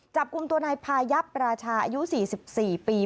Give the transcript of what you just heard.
จับกลุ่มตัวนายพายับราชาอายุ๔๔ปี